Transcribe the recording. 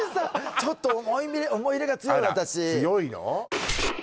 ちょっと思い入れが強い私あら強いの？